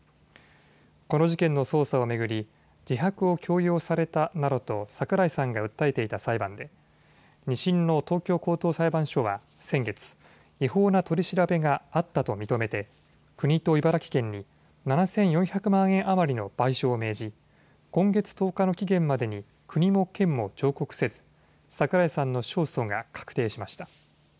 この事件の捜査を巡り自白を強要されたなどと桜井さんが訴えていた裁判で２審の東京高等裁判所は先月、違法な取り調べがあったと認めて国と茨城県に７４００万円余りの賠償を命じ今月１０日の期限までに国と県も上告せず桜井さんの勝訴が確定しました。